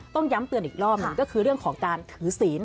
ต้องย้ำเตือนอีกรอบหนึ่งก็คือเรื่องของการถือศีล